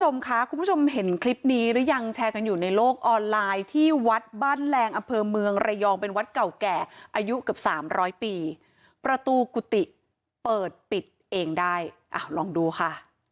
คุณผู้ชมค่ะคุณผู้ชมเห็นคลิปนี้หรือยังแชร์กันอยู่ในโลกออนไลน์ที่วัดบ้านแรงอำเภอเมืองระยองเป็นวัดเก่าแก่อายุเกือบสามร้อยปีประตูกุฏิเปิดปิดเองได้อ้าวลองดูค่ะ